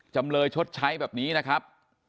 จำเลยชดใช้แบบนี้นะครับ